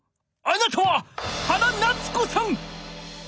あなたは原菜摘子さん！